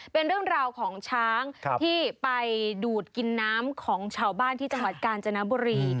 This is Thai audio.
เป็นเรื่องราวของช้างที่ไปดูดกินน้ำของชาวบ้านที่จังหวัดกาญจนบุรี